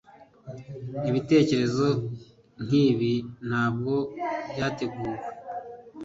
ibitekerezo nkibi ntabwo byateguwe